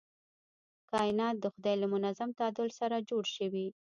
کائنات د خدای له منظم تعادل سره جوړ شوي.